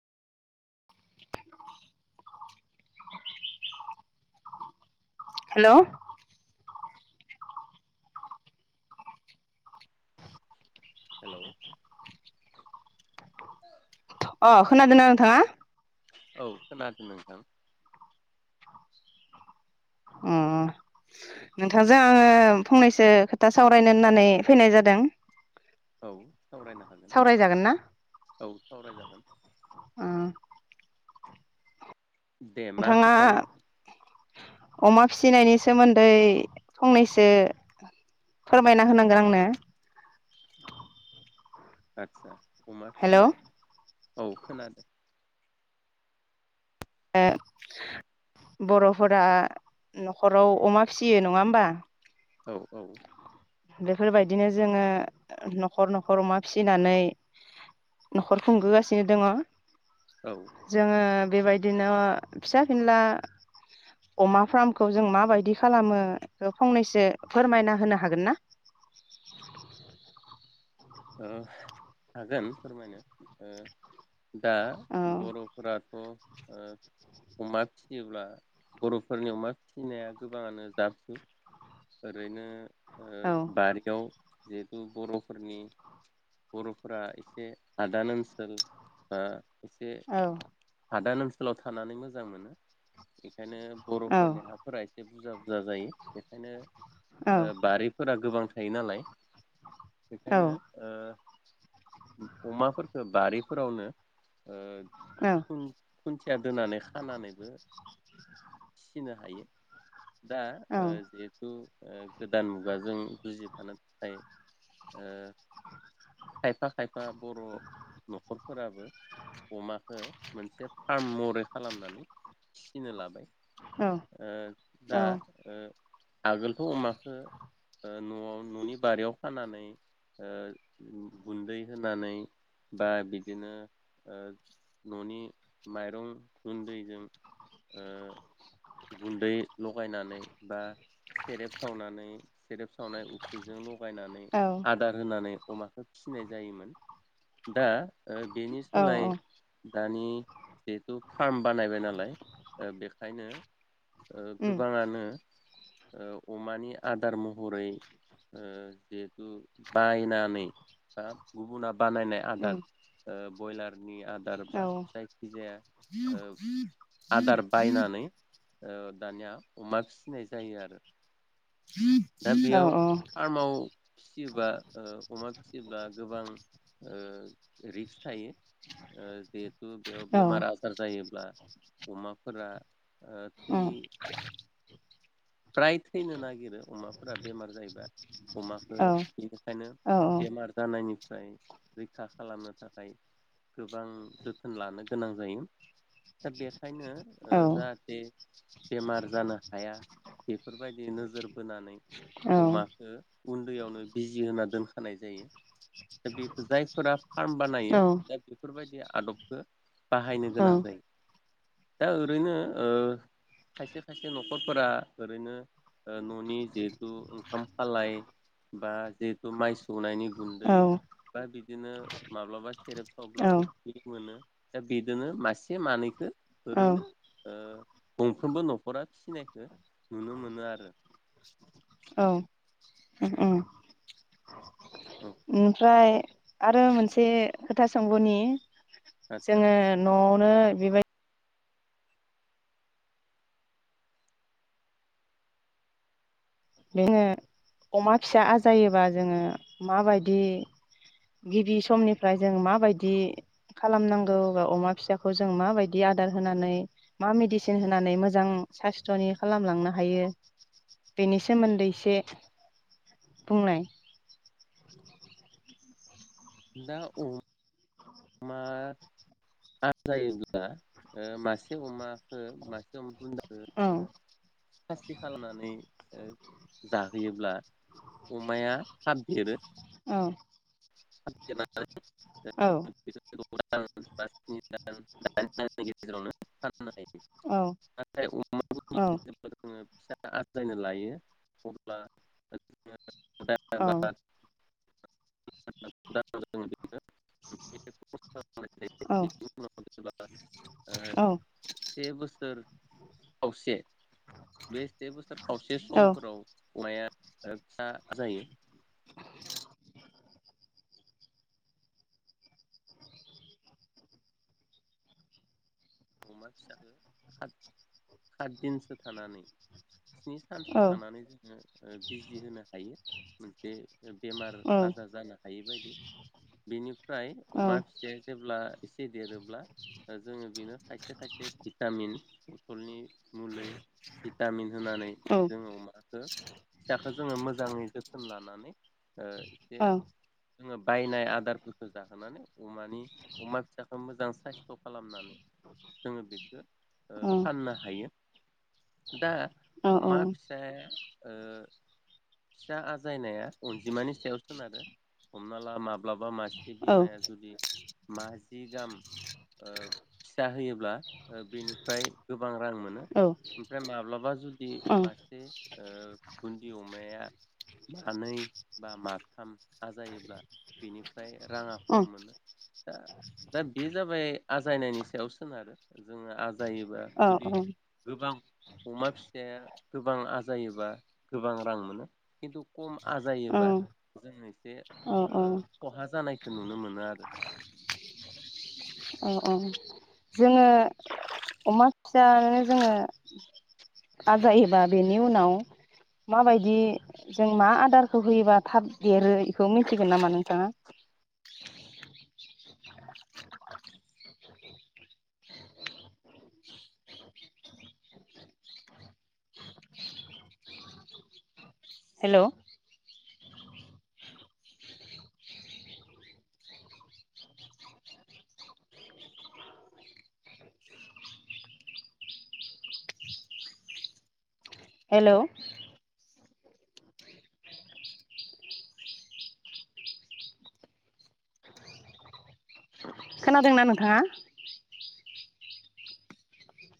[inaudible] हेल हेल अ खना दना नोथाङा औ खोनादों नोंथां अ नोंथांजों आङो फंनैसो खोथा सावरायनो होननानै फैनाय जादों औ सावरायनो हागोन सावरायजागोन ना औ सावरायजागोन अ दे मा नोंथाङा खोथानि [inaudible] अमा फिसिनायनि सोमोन्दै फंनैसो फोरमायना होनांगोन आंनो आतसा अमा हेलौ फिसिनाय औ खोनादों ओ बरफोरा नखराव अमा फिसियो नङा होमबा? औ औ बेफोरबायदिनो जोङो नखर नखर अमा फिसिनानै नखर खुंबोगासिनो दङ। औ ओ जोङो बेबाय दिनो फिसा फिनला अमा फार्मखौ जों माबायदि खालामो बेखो फंनैसो फोरमायना होनो हागोन ना? ओ हागोन फोरमायनो ओ दा औ बरफोराथ ओ अमा फियोब्ला बरफोरनि अमा फिसिनाया गोबाङानो जाफ जुफ ओरैनो ओ औ बारियाव जिहेतु बरफोरनि बरफोरा एसे हादान ओनसोल बा एसे औ हादान स्कुलाव थानानै मोजां मोनो बेखायनो औ बरफोरनि हाफोरा बुरजा बुरजा जायो बेखायनो औ ओ बारिफोरा गोबां थायो नालाय औ बेखायनो ओ अमाफोरफोरखौ बारिफोरावनो ओ खुन्थिया दोनानै खानानैबो फिसिनो हायो दा औ ओ जिहेथु ओ गोदान मुगाजों जुजिफानांगौ जायो। ओ खायफा खायफा बर न'खरफोराबो अमाखो औ ओ दा ओ आगोलथ' अमाखौ ओ न'आव न'नि बारियाव खानानै ओ गुन्दै होनानै बा बिदिनो ओ न'नि माइरं गुन्दैजों ओ गुन्दै लगायनानै बा सेरेब सावनानै सेरेब सावनाय उफ्रिजों लगा गायनानै औ आद होनानै अमाखौ फिसिनाय जायोमोन दा ओ बेनि औ सोलाय दानि जिहेथु फार्म बानायबाय नालाय बेखायनो ओ उम गोबांङानो ओ अमानि आदार महरै ओ जिहेथु बायनानै बा गुबुना बानायनाय आदार उम ओ ब्रयलार नि आदार औ बा जायखि जाया ओ आदार बायनानै ओ दानिया अमा फिनाय जायो आरो दा औ बेयाव औ उम फारामाव फिसियोब्ला ओ अमा फिसियोब्ला गोबां ओ रिक्स थायो ओ जिहेथु बेयाव औ बेमार आजार जायोब्ला अमा फोरा ओ औ थै प्राइथैनो नागिरो अमाफोरा बेमार जायोबा अमाखो औ इनिखायनो औ बेमार जानायनि फ्राय रैखा खालामनो थाखाय गोबां जोथोन लानो गोनां जायो। दा बेखायनो ओ जाहाथे बेमार जानो हाया बेफोरबायदि नोजोर बोनानै अमाखो उन्दैयावनो बिजि होना दोनखानाय जायो। दा बेखो जायफोरा फार्म बानायो दा बेफोरबायदिया आदबखो बाहायनो गोनां जायो। दा ओरैनो ओ खायसे खायसे न'खरफोरा ओरैनो ओ न'नि जिहेथु ओंखाम खालाय बा जिहेतु माइ सौनायनि गुन्दै बा बिदिनो माब्लाबा सेरेब सावब्ला औ उफ्रि मोनो। दा बिदिनो मासे मानैखो ओरैनो ओ गंफ्रोमबो न'खरा फिसिनायखो नुनो मोनो आरो औ ओ औ औ ओमफ्राय आरो मोनसे खोथा सोंब'नि आदसा जोङो न' [unintelligible] बेबायदि जोङो अमा फिसा आजायोबा जोङो माबायदि गिबि समनिफ्राय जों माबायदि खालामनांगौ बा अमा फिसाखौ जों माबायदि आदार होनानै मा मेडिसिन होनानै मोजां साइसथ'नि खालामलांनो हायो बेनि सोमोन्दै एसे बुंलाय। [inaudible] दा अमा आजायोब्ला ओ मासे अमाखो मासे अमा बुन औ खासि खालामनानै ओ जाहोयोब्ला अमाया थाब देरो। औ थाब [unintelligible] औ [unintelligible] गेजेरावनो औ औ आजायनो लायो अब्ला [unintelligible] औ औ [unintelligible] आ सेबोसोर सोर खावसे बे से बोसोर खावसे औ समफोराव अमाया ओ फिसा जायो। अमा फिसाखौ हाट हाटदिनसो थानानै स्नि सानसो थानानै जोङो बिजि होनो हायो। बे बेमार औ आजार जानो हायि बायदि बेनि ओमफ्राय अमा फिसाया जेब्ला एसे देरोब्ला दा जोङो बेनो खायसे खायसे भिटामिन बथलनि मुलै बि टामिन होनानै औ जोङो अमाखौ फिसा दा जोङो मोजाङै जोथोन लानानै ओ एसे औ जोङो बायनाय आदारफोरखौ जाहोनानै अमानि अमा फिसाखौ मोजां साइस्थ' खालामनानै जोङो बेखौ ओ फाननो हायो। दा अमा फिसाया ओ फिसा आजायनाया अनजिमानि सायाव सोनारो हमना ला माब्लाबा मासे से बिमाया जुदि मा जि गाहाम ओ फिसा होयोब ब्ला ओ बेनिफ्राय गोब गोबां रां मोनो ओमफ्राय माब्लाबा जुदि मासे ओ बुन्दि अमाया मानै बा माथाम आजायोब्ला बेनिफ्राय ओ राङा खम मोनो। दा दा बेजाबाय आजायनायनि सायाव सोनारो। जोङो आज जायोबा जुदि गोबां अमा फिसाया गोबां आजायोबा गोबां रां मोनो खिन्थु खम आजायोबा औ जों एसे औ ओ खहा जानायखौ नुनो मोनो आरो। औ औ जोङो अमा फिसा जोङो आजायोबा बेनि उनाव माबायदि जों मा आदारखौ होयोबा थाब देरो इखौ मिथिगोन नामा नोंथाङा? हेल' हेल' खोनादोंना नोंथाङा?